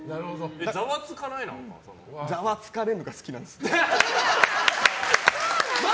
ざわつかれるのが好きなんです。